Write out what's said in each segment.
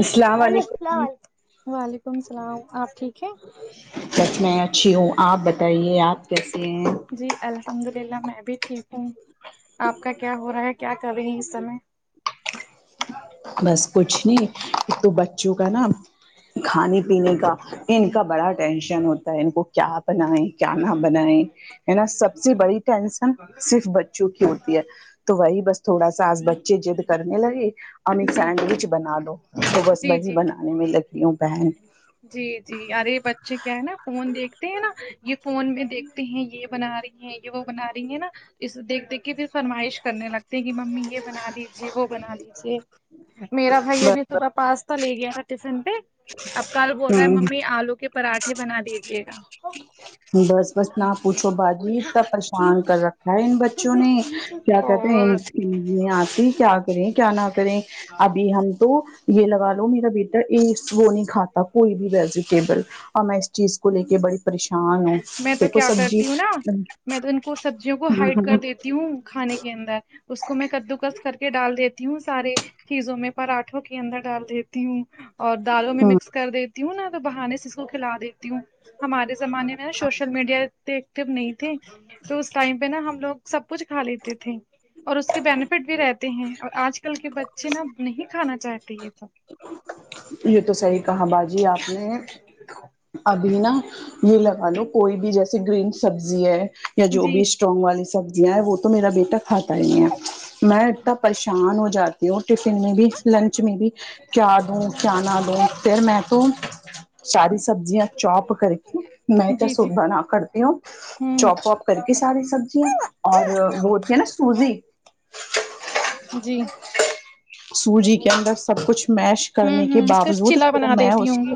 السلام ہیلو علیکم السلام وعلیکم السلام آپ ٹھیک ہیں بس میں اچھی ہوں آپ بتائیے آپ کیسے ہیں جی الحمد للہ میں بھی ٹھیک ہوں آپ کا کیا ہو رہا ہے کیا کر رہی ہیں اس سمے بس کچھ نہیں کہ تو بچوں کا نا کھانے پینے کا ان کا بڑا ٹینشن ہوتا ہے ان کو کیا بنائے کیا نہ بنائیں ہے نا سب سے بڑی ٹینشن صرف بچوں کی ہوتی ہے تو وہی بس تھوڑا ساس بچے جد کرنے لگے اورنی جی سینڈوچ بنا لو وہ بس جی وہی جی بنانے میں لکی ہوں پہن جی جی ارے بچے کیا ہے نا فون دیکھتے ہیں نا یہ فون میں دیکھتے ہیں یہ بنا رہی ہیں یہ وہ بنا رہی ہیں نا اس دیکھ دیکھ کے پھر فرمائش کرنے لگتے کہ ممی یہ بنا لیجیے وہ بنا لیجے میرا بھائی ب اب پاستا لے گیا تھا ٹفن پہ اب کل بول رہا ہے ہ ممی آلو کے پراٹھے بنا دیجیے گا بس بس نہ پوچھو باجی تا پریشان کر رکھا ہے ان بچوں نے کیا کہتے ہیں اور ان ان میں آتی کیا یں کیا نہ کریں ابھی ہم تو یہ لگا لو میرا بیٹا ایک وہ نہیں کھاتا اب کوئی بھی ویجیٹیبل اور میں اس چیز کو لے کے بڑی پریش میں تو کیا کرتی ہوں نا میں تو ان کو سبزیوں کو ہائڈ ہ کر دیتی ہوں کھانے کے اندر اس کو میں کدو کس کر کے ڈال دے تیو سارے چیزوں میں پراٹھوں کے اندر ڈال دیتی ہوں اور دالوں میں ہ مکس کر دیتی ہوں نہ تو بہانے سے اس کو کھلا دیتی ہوں ہمارے زمانے میں نا شوشل میڈیا ٹکر نہیں تھے تو ٹائم پہ نا ہم لوگ سب کچھ کھا لیتے تھے اور اس کے بینیفٹ بھی رہتے ہیں اور آج کل کے بچے نا نہیں کھانا چاہتے یہ سب یہ تو صحی کہا باجی آپ نے ابھی نا یہ لگا لو کوئی بھی جیسے گرین سبزی ہے یا جو جی بھی [unintelligible] والی سبزیاں ہیں وہ تو میرا بھی تا کھاتا ہی نہیں میں اتنا پریشان ہو جاتی ہوں ٹفن میں بھی لنچ میں بھی کیا دوں کیا نہ دوں پھر میں تو شاری سبزیاں چوپ کر کے میں تو جی جی سوپ بنا کرتی ہوں ہوں چوپ واپ کر کے ساری سبزیاں اور وہ ہے نا سوجی جی سوجی کے اندر سب کچھ اش ہوں کرنے کے ہوں اس کا باوجود چلا پھر بنا میں دیتی اس ہوں گی کو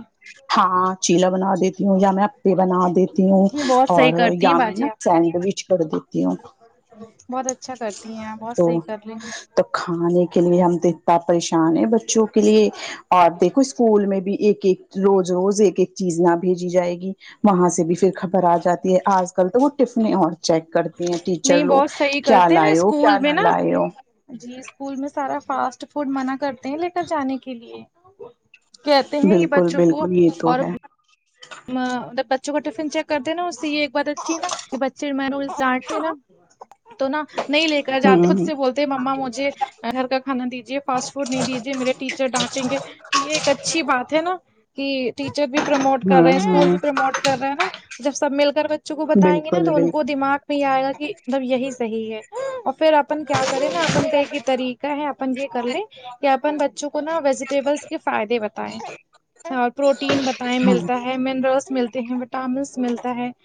ہاں چیلا بنا دیتی ہوں یا میں پے بنا دیتی ہوں نہیں بہت اور صحیح کرتی ہیں یا میں باجی نا آپ سینڈوچ کر دی [unintelligible] بہت اچھا کرتی ہیں بہت تو صحیح کر لیں تو کھانے کے لیے ہم دت تا پریشان ہیں بچوں کو کے لیے اور دیکھو اسکول میں بھی ایک ایک روز روز ایک ایک چیز نہ بھیجی جائے گی وہاں سے بھی پھر خبر آ جاتی ہے آج کل تو وہ ٹفنی اور چیک کرتی ہیں ٹیچر نہیں لوگ بہت صحیح کیا کرتے ہیں لا نا ہو کیا اسکول میں نہ نا لا ہو جی اسکول میں سارا فاسٹ فوڈ منع کرتے ہیں لے کر جانے کے لیے کہتے ہیں یہ بالکل بچوں کو بالکل یہ تو اور اب ہے ما طب بچوں کو کا ٹفن چیک کر د نا اس سے یہ ایک بات اچھی نا کہ بچے میں روز ڈانٹ تھے ہے تو نا نہیں لے کر جاتے ہوں خود ہوں سے بولتے مما مجھے گھر کا کھانا دیجیے فاسٹ فوڈ نہیں دیجیے میرے ٹیچر ڈانٹیں گے تو یہ ایک اچھی بات ہے نا کہ ٹیچر بھی پروموٹ کر رہے ہوں ہیں اسکول ہوں بھی پروموٹ کر رہا ہے نا جب سب مل کر بچوں کو بتائیں گے نا بالکل تو ان کو بالکل دماغ پھر یہ آئے گا کہ مطلب یہی صحیح ہے اور پھر اپن کیا کریں نا اپن کا ایک ہی طریقہ ہے اپن یہ کر لیں ک اپن بچوں کو نا ویجیٹیبلس کے فائدے بتائے اور پروٹین بتائے ہاں ملک ہےمنرلس ملتے ہیں وٹامنس ملتا ہے [unintelligible]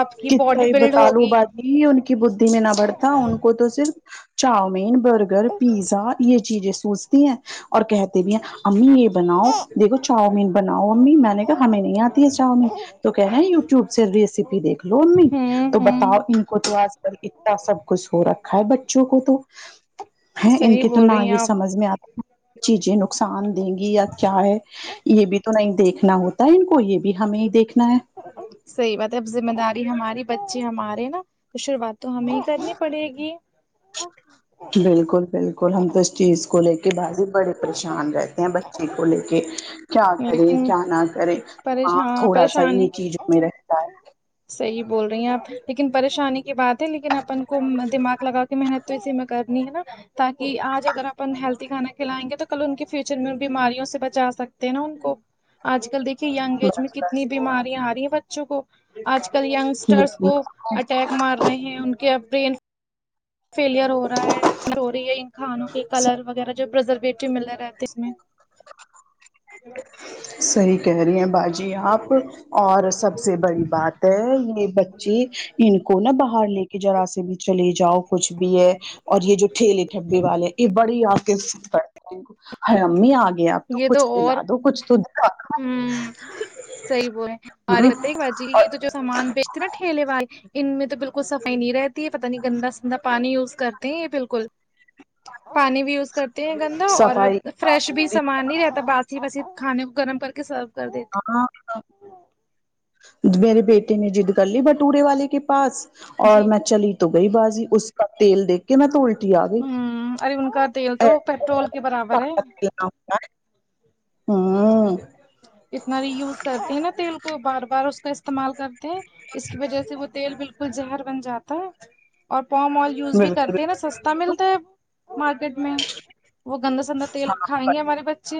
آپ کی ک باڈی طای بلڈ بطالو ہوگی بھاکی ہی ان کی بدی میں نہ بڑھتا ان کو تو صرف چاؤمین برگر پیزا یہ چیزیں سوز تھی ہیں اور کہتے بھی ہیں امی یہ بناؤ دیکھو چاؤمین بناؤ امی میں نے کہا ہمیں نہیں آتی ہے چاؤمین تو کہ ہیں یوٹیوب سے ریسیپی دیکھ لو امی ہوں تو بتاؤ ہوں ان کو تو آج کل اتنا سب کچھ ہو رکھا ہے بچوں کو تو ہے ان صحیح کے تو بول نہ رہی ہیں یہ آپ سمجھ میں چیزیں نقصان دیں گی یا کیا ہے یہ بھی تو نہیں دیکھنا ہوتا ہے ان کو یہ بھی ہمیں دیکھنا ہے صحی بات ہے اب ذمہ داری ہماری بچے ہمارے نا تو شروعات تو ہمیں ہی کرنی پڑے گی بالکل بالکل ہم تو اس چیز کو لے کے باجی بڑے پریشان رہتے ہیں بچے کو لے کے کیا کرے لیکن کیا نہ کرے ہاں پریشان تھوڑا سا پریشانی انہیں چیزوں میں رہتا ہے صحیح بول رہی ہیں آپ لیکن پریشانی کی بات ہے لیکن اپن کو دماغ لگا کے محنت توے میں کرنی ہےا [unintelligible] تاکہ آج اگر اپن ہیلدی کھانا کھلائیں گے تو کل ان کے فیوچر میں ان بیماریوں سے بچا سکتے ہیں نا ان کو آج کل دیکھیے یگ ایج میں بس کتنی بس بیماریاں آ رہی ہیں بچوں کو آج کل یہ یگسٹرس بھی۔ کو اٹیک مار رہے ہیں ان کے برین فیلئر ہو رہا ہے ہو رہی ہے ان کھانوں کے کلر وغیرہ جو پرزرویٹو مل رہے رہتے اس میں صحیح کہہ رہی ہیں باجی آپ اور سب سے بڑی بات ہے یہ بچے ان کو نہ باہر ل کے جذرا سے بھی چلے جاؤ کچھ بھی ہے اور یہ جو ٹھیلے ٹھبے والے یہ بڑی آپ ر امی آ گیا اب تو [unintelligible] یہ تو اور دو کچھ تو دلا دو ہ صحی بول ہے ہوں ارے باجی یہ اور تو- سامان بیچتے نا ٹھیلے والے- ان میں تو بالکل صفائی نہیں رہتی یہ پتہ نہیں گندا سندا پانی یوز کرتے ہیں یہ بالکل- پانی بھی یوز کرتے ہیں گندا اور صفائی کی فریش بات بھی کری۔ سامان- نہیں رہتا بس ہی بس کھانے کو گرم کر کے سرو کر دیتا- ہاں- میرے بیٹے نے جد کر لی بٹورے والے کے پاس اور جی میں چلی- تو گئی بازی اس کا تیل دیکھ- کہ میں توولٹی آ گئی- ہوں ارے ان کا تیل تو پیٹرول کے برابر ہے ہاں- اتنا بھی یوز کرتی ہے نا تیل کو بار بار اس کا- استعمال کرتے ہیں اس کی وجہ سے وہ تیل بالکل زہر بن جاتا ہے- اور پوم آئل یوز بھی بالکل کرتے ہیں نا سستا ملتا ہے- مارکیٹ میں وہ گندا سندا تیل کھائیں گے ہمارے بچے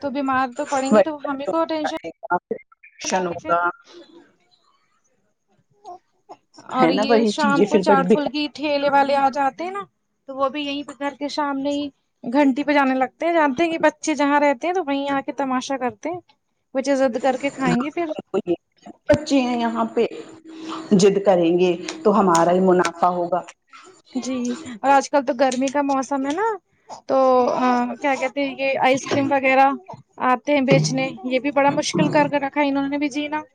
تو بیمار- تو پڑیں گے تو ہمیں کو ٹینشن- شن ہو کاا اور ہے نا یہ وہی شام چیزیں کو پھر بڑی چاٹ فل بیکار کیی- ٹھیلے والے آ جاتے ہیں نا تو وہ بھی یہیں پہ گھر کے سامنے ہی- گھنٹی پہ جانے لگتے ہیں جانتے ہیں کہ بچے جہاں رہتے ہیں تو وہیں آ کے تماشا کرتے ہیں- وہ جے ضد کر کے کھائیں گے پھر بچے ہیں یہاں پہ- جد کریں گے تو ہمارا ہی منافع ہوگا- جی اور آج کل تو گرمی کا موسم ہے نا- تو کیا کہتے یہ آئس کریم وغیرہ آتے ہیں بیچنے یہ بھی بڑا مشکل کر کر رکھا انہوں نے بھی جینا-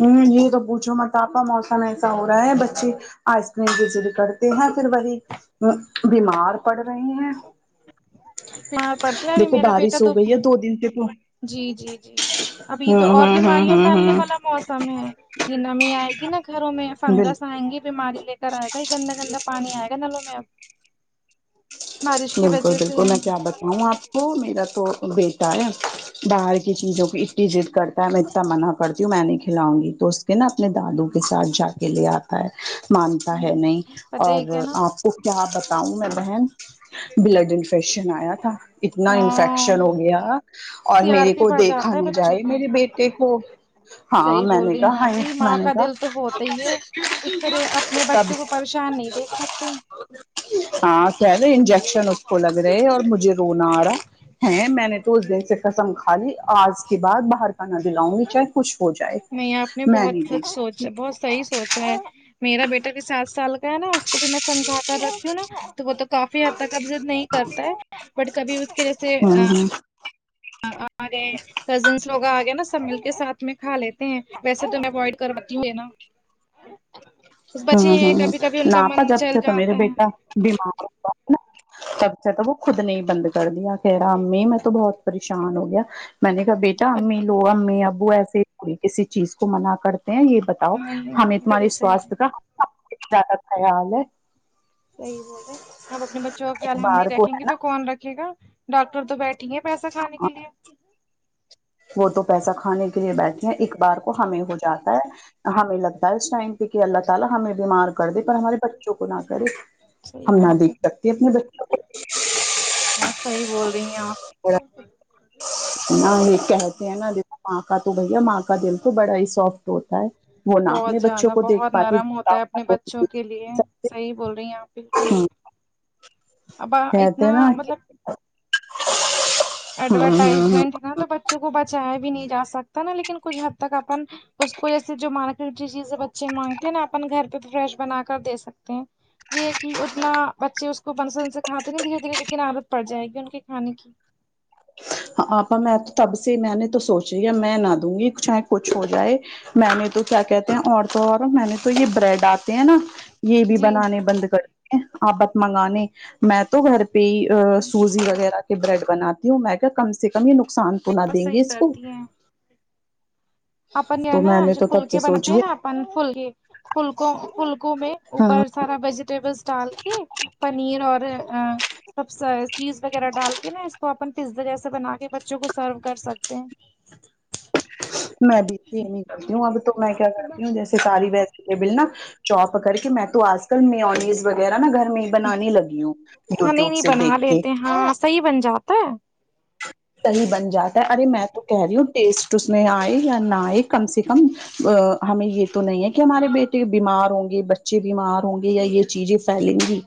ہوں یہ تو پوچھو مٹاپا موسم ایسا ہو رہا ہے بچے- آئس کریم بچری کرتے ہیں پھر وہی بیمار پڑ رہے ہیں- اچ مار پڑھتی ابھی دیکھو میرا بیٹا بارش تو ہو گئی ہے دو دن سے تو ہوں جی-جی-جی- اب یہ تو اور ہوں ہوں بیماریاں ہوں پھیلنے ہوں والا- موسم ہے یہ نمی آئے گی نا گھروں میں فنگس بالکل آئیں گی- بیماری لے کر آئے گا یہ گندا گندا پانی آئے گا نلوں میں اب- ماری بالکل-بالکل میں کیا بتاؤں آپ کو میرا تو بیٹا ہے- باہر کی چیزوں کی اتنی ضد کرتا ہے میں اتنا منع کرتی ہوں میں نہیں کھلاؤں گی تو- نا اپنے دادو کے ساتھ جا کے لے آپ- مانتا ہے نہیں پتہ اور ہے کیا نا آپ کو کیا بتاؤں میں بہن- بلاڈین فش آیا تھا اتنا ہاں انفیکشن ہو گیا اور سی آر میرے پی کو بڑھ دیکھا جاتا ہے نہ بچوں جائے کا میرے بیٹے- دیک ہوو ہاں صحیح میں بول نے رہی ہیں کہا ہ باجی میں ماں نے کا کہا دل تو ہوتا ہی ہے اس طرح اپنے تب- بچوں کو پریشان نہیں دیکھ سکتے- ہاں خل انجیکشن اس کو لگ رہے اور مجھے رونا آ رہا ہے میں نے- تو اس دن سے قسم کا لی آج کے بعد باہر کا ندی لاؤں گی چاہے کچھ ہو جائے- نہیں آپ نے میں بہت نہیں سچ دیکھ سکتی- سوچا بہت صحیح سوچا ہے میرا بیٹا بھی سات سال کا ہے نا اس کو بھی میں سمجھا کر رکھی ہوں نا تو وہ ت- کافی حد تک اب ضد نہیں کرتا ہے بٹ کبھی اس کے جیسے ہ ہ اورے [unintelligible] کزنس لوگ آگیا نا سب مل کے ساتھ میں کھا لیتے ہیں ویسے تو میں اوائڈ کرتی ہ ہے نا ا [unintelligible] ہ ہ ہ ناپا جبتے تو میرے جاتا بیٹا ہے بیمار ہو نا [unintelligible] کبچہ ت وہ خود نہیں بند کر دیا کہ رہا امی میں تو بہت پریشان ہو گیا [unintelligible] میں نے کہا بیٹا امی لو امی ابو ایسےی کسی چیز کو منا کرتے ہیں یہ ب بتا نہیں ہمیں تمہارے بالکل صحیح سوستھ کا زیادہ خیال ہے صحیح بول رہے آپ اپنے بچوں کا ایک خیال ہم نہیں بار کو رکھیں گے ہے تو نا کون رکھے گا ڈاکٹر تو بیٹھے پیسہ کھان کے لیے وہ تو پیسہ کھانے کے لیے بیٹھے ہیں ایک بار کو ہمیں ہو جا ہے ہمیں لگتا ہے اس ٹائم پہ کہ اللہ سے الا ہمیں بیمار کر دے پر ہمارے بچوں کو نہ کرے صحی ہم نہ بات ہے دیکھ سکتے اپنے بچوں کو ب صحی بول رہی ہیں آپ [unintelligible] نہ یہ کہتے ہیں نا دا ماں کا تو بھیا ماں کا کا دل تو بڑا ہی سافٹ ہوتا ہے وہ نہا اپنے بہت بچوں زیادہ کو دیکھ بہت پاتے نرم ہوتا ہے اپنے بچوں کے لیے صحیح بول رہی ہیں آپ بالکل اب کہتے اتنا ہیں نا کہ مطلب ایڈورٹائزمنٹ ہے نا تو بچوں کو بچایا بھی نہیں جا سکتا نا لیکن کچھ حد تک اپن اس کو جیسے جو مارکیٹ کی چیزیں بچے مانگتے ہیں نا اپن گھر پہ تو فریش بنا کر دے سکتے ہیں یہ کہ اتنا بچے اس کو بنسن سے کھاتے نا دھیرے دھیرے لیکن عادت پڑ جائے گی ان کے کھانے کی ہ آپا میں تو تب سے میں نے تو سوچا ہے میں نہ دوں گی چاہے کچھ ہو جائے [unintelligible] میں نے تو کیا کہ اور تو اور میں نے تو یہ بریڈ آتے ہیں نا یہ بھی جی بنانے بند کر آپت منگانے میں تو گھر پہ ہی سوزی وغیرہ کے بریڈ بناتی ہوں میں کہ کم سے کم یہ نقصان تو نہ بس دیں گے صحیح اس کو کرتی ہیں اپن یہ تو نا میں نے جو تو تب فھلکے سے بناتے سوچی ہیں نا ہے اپن فلکے فلکوں فلکوں میں ہاں اوپر سارا ویجیٹیبلس ڈال کے پنیر اور سب چیز وغیرہ ڈال کے نا اس کو اپن پزا جیسے بنا کے بچوں کو سرو کر سکتے ہیں میںبمی کرتی ہوں اب تو میں کیا کرتی ہوں جیسے ساریل نا چاپ کر کے میں تو آج کل مینیز وغیرہ نا گھر میں بنانے لگی ہوں ہاں نہیں یوٹیوب نہیں سے بنا دیکھ کے لیتے ہاں صحیح بن جاتا ہے صحیح بن جاتا ہے ارے میں تو کہہ رہی ہوں ٹیسٹ میں آئے یا نہ آئے کم سے کم ا ہمیں یہ تو نہیں ہے کہ ہمارے بیٹے بیمار ہوں گے ب [unintelligible] بچے بیمار ہوں گے یا یہ چیزیں پھیلیں گی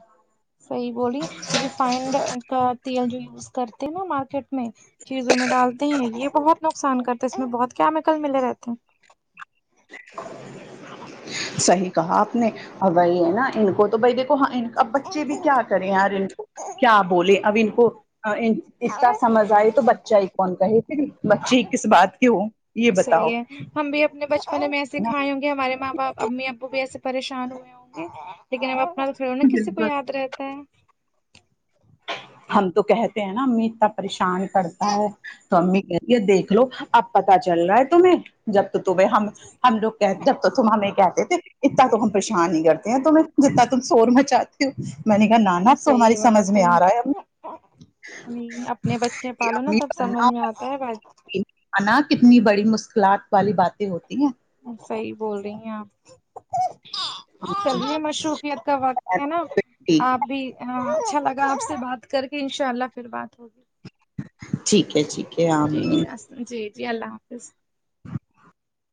صحیح بولی ریفائنڈ کا تیل جو یوز کرتے ہیں نا مارکیٹ میں چیزوں میں ڈالتے ہیں یہ بہت نقصان کرتے ہیں اس میں بہت کیمیکل ملے رہتے ہیں صحی کہا آپ نے اور وہی ہے نا ان کو تو بھائی دیکھو ہاں اب بچے بھی کیا کرے ہیں ار کو کیا بولے ا ان کو اتنا سمجھ آئے تو بچہ ہی کون کہے پھر بچی کس بات کی ہو یہ بتاؤ صحیح ہے ہم بھی اپنے بچپن میں ایسے کھائےیں ہوں گے ہمارےاں باپ امی ابو بھی ایسے پریشان ہوئے ہوں گے لیکن اب اپنا تو تھڑ نا کسی کو بالکل یاد رہتا ہے ہم تو کہتے ہیں نا امی اتنا پریشان کرتا ہے تو امی کہتی ہے دیکھ لو اب پتا چل رہا ہے تمہیں جب تو ت ہم ہم لوگ کہ جب تو تم ہمیں کہتے تھے [unintelligible] اتنا تو ہم پریشان ہی کرتے ہیں تمہیں جتنا تم شور مچا میں نے کہا نانا تہماری سمجھ میں آ رہا ہے امی ہم اپنے بچے کہ پالو نا امی تب سمجھ میں بننا آتا ہے ب انا کتنی بڑی مشکلات والی باتیں ہوتی ہیں صحیح بول رہی اپ چلیے مشروفیت کا وقت ہے نا ٹھیک ہے آپ بھی اچھا لگ آپ سے بات کر کے انشاء اللہ پھر بات ہوگی ٹھیک ہے ٹھیک جی آمین جی جی جی اللہ حافظ